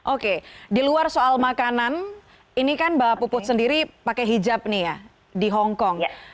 oke di luar soal makanan ini kan mbak puput sendiri pakai hijab nih ya di hongkong